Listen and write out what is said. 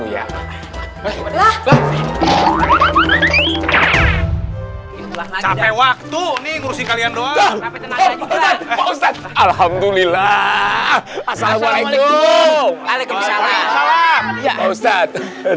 ya capek waktu nih ngurusin kalian doang alhamdulillah assalamualaikum waalaikumsalam